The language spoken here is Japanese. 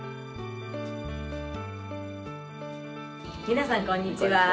皆さんこんにちは。